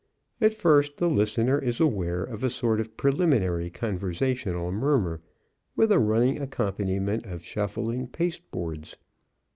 At first the listener is aware of a sort of preliminary conversational murmur, with a running accompaniment of shuffling pasteboards.